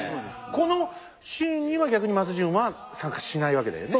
このシーンには逆に松潤は参加しないわけだよね。